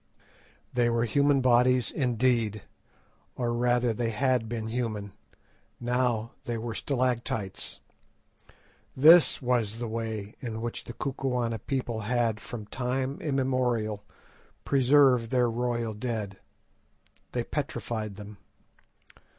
They were human bodies indeed, or rather they had been human; now they were stalactites. This was the way in which the Kukuana people had from time immemorial preserved their royal dead. They petrified them.